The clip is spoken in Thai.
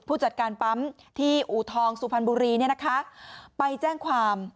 ผู้จัดการปั๊มที่อูทองสุพรรณบุรีเนี่ยนะคะไปแจ้งความ